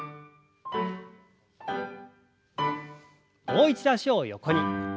もう一度脚を横に。